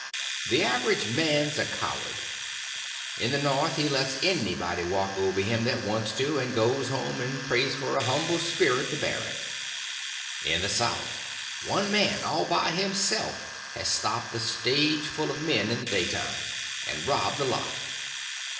The average man's a coward. In the North he lets anybody walk over him that wants to, and goes home and prays for a humble spirit to bear it. In the South one man all by himself, has stopped a stage full of men in the daytime, and robbed the lot.